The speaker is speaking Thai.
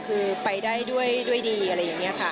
คือไปได้ด้วยดีอะไรอย่างนี้ค่ะ